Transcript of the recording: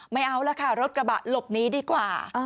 ไม่เอาละค่ะรถกระบะหลบหนีดีกว่า